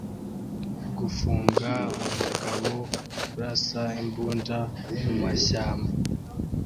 Gufunga umugabo urasa imbunda mumashyamba